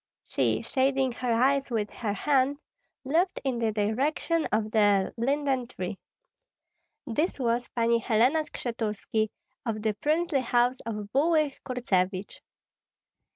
She, shading her eyes with her hand, looked in the direction of the linden tree. This was Pani Helena Skshetuski, of the princely house of Bulyga Kurtsevich.